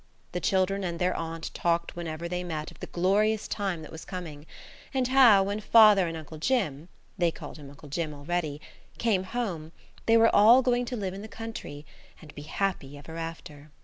The children and their aunt talked whenever they met of the glorious time that was coming, and how, when father and Uncle Jim–they called him Uncle Jim already–came home, they were all going to live in the country and be happy ever after.